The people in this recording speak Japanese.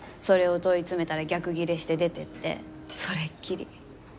それを問い詰めたら逆ギレして出ていってそれっきり。